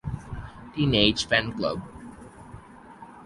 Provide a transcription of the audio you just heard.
Teenage Fanclub